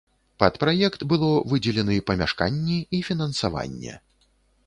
Пад праект было выдзелены памяшканні і фінансаванне.